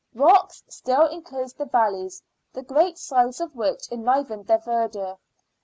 Rocks still enclosed the valleys, the great sides of which enlivened their verdure.